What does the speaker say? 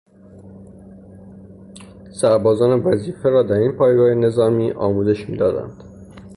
سربازان وظیفه را در این پایگاه نظامی آموزش میدادند.